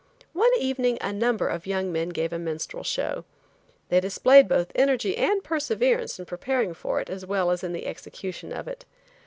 One evening a number of young men gave a minstrel show. They displayed both energy and perseverance in preparing for it as well as in the execution of it.